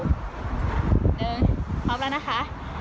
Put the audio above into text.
๑พร้อมแล้วนะคะ๑๒๓